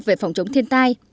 về phòng chống thiên tai